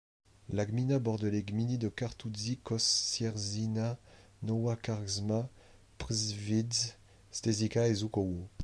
La gmina borde les gminy de Kartuzy, Kościerzyna, Nowa Karczma, Przywidz, Stężyca et Żukowo.